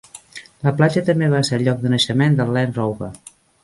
La platja també va ser el lloc de naixement del Land Rover.